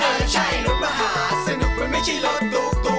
เออใช่รถมหาสนุกมันไม่ใช่รถตุ๊ก